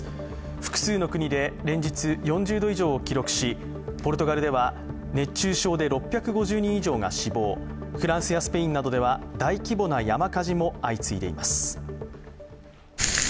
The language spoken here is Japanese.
複数の国で連日４０度以上を記録し、ポルトガルでは熱中症で６５０人以上が死亡、フランスやスペインなどでは大規模な山火事も相次いでいます。